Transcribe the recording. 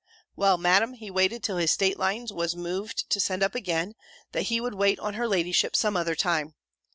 Well, Madam, he waited till his stateliness was moved to send up again, that he would wait on her ladyship some other time.